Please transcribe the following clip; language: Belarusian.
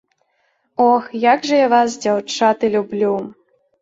Ох, як жа я вас, дзяўчаты, люблю!